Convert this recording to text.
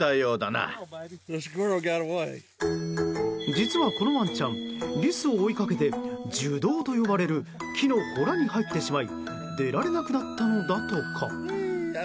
実は、このワンちゃんリスを追いかけて樹洞と呼ばれる木のほらに入ってしまい出られなくなったのだとか。